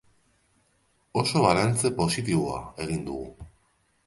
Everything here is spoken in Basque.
Oso balantze positiboa egin dugu.